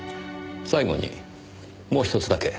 最後にもう１つだけ。